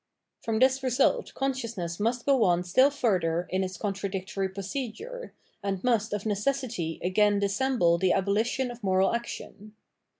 From this result consciousness must go on still fur ther in its contradictory procedure, and must of neces sity again dissemble the abolition of moral action.